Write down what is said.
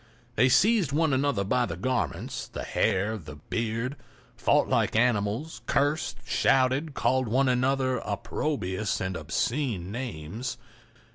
They seized one another by the garments, the hair, the beard—fought like animals, cursed, shouted, called one another opprobrious and obscene names.